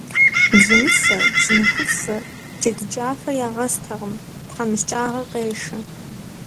Бжьыныфэ, бжьыныхуфэ, джэдыкӏафэ ягъэстэкъым, тхьэмыщкӏагъэ къешэ.